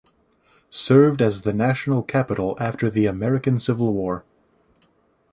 Served as the National capital after the American Civil War.